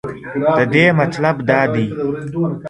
ددې مطلب دا دی.